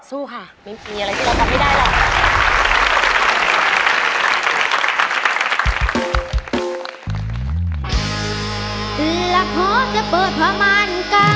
สู้ค่ะมีอะไรต่อกันไม่ได้หรอก